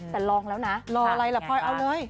แต่ลองแล้วนะลองอะไรล่ะพลอยเอาเลย